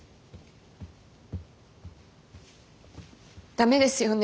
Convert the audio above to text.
駄目ですよね。